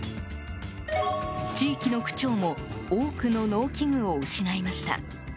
地域の区長も多くの農機具を失いました。